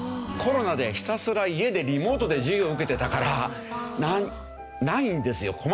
コロナでひたすら家でリモートで授業受けてたからないんですよ。